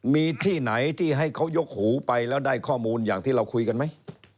มีที่ไหนที่ให้เขายกหูไปแล้วได้ข้อมูลอย่างที่เราคุยกันไหม